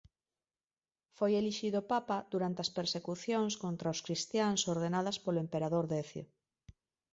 Foi elixido papa durante as persecucións contra os cristiáns ordenadas polo emperador Decio.